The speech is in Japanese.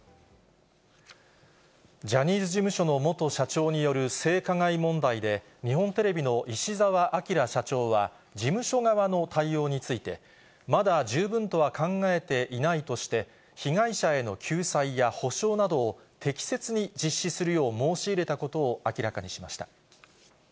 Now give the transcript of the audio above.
ジャニーズ事務所の元社長による性加害問題で、日本テレビの石澤顕社長は、事務所側の対応について、まだ十分とは考えていないとして、被害者への救済や補償などを適切に実施するよう申し入れたことを明らかにしました。